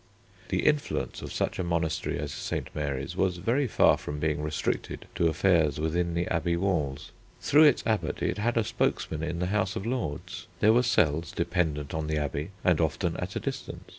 The influence of such a monastery as St. Mary's was very far from being restricted to affairs within the abbey walls. Through its Abbot it had a spokesman in the House of Lords. There were cells dependant on the abbey and often at a distance.